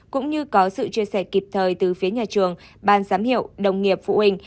cũng như có sự chia sẻ kịp thời từ phía nhà trường ban giám hiệu đồng nghiệp phụ huynh